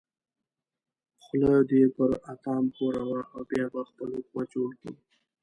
خوله دې پر اتام ښوروه او بیا به خپل حکومت جوړ کړو.